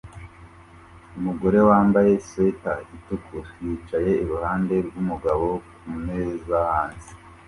Umugore wambaye swater itukura yicaye iruhande rwumugabo kumeza hanze